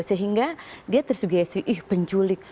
sehingga dia tersugesi ih penculik